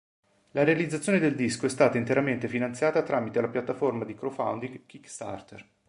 La realizzazione del disco è stata interamente finanziata tramite la piattaforma di crowdfunding Kickstarter.